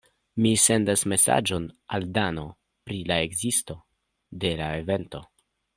Mi sendas mesaĝon al Dano pri la ekzisto de la evento.